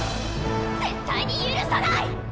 絶対に許さない！